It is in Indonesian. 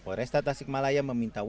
polresta tasikmalaya meminta warga